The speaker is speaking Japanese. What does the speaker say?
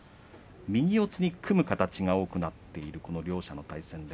右四つに組む形が多くなっているこの両者の対戦。